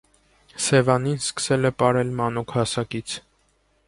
Սևանին սկսել է պարել մանուկ հասակից։